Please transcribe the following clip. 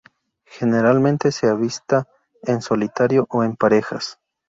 Generalmente se avista en solitario o en parejas.